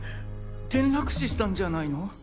転落死したんじゃないの？